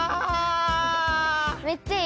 めっちゃいい。